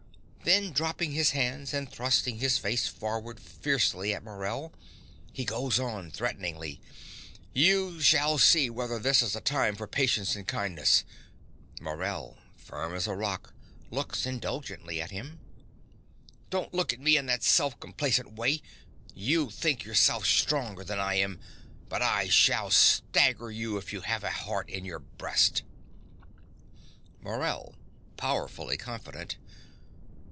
(Then, dropping his hands, and thrusting his face forward fiercely at Morell, he goes on threateningly.) You shall see whether this is a time for patience and kindness. (Morell, firm as a rock, looks indulgently at him.) Don't look at me in that self complacent way. You think yourself stronger than I am; but I shall stagger you if you have a heart in your breast. MORELL (powerfully confident).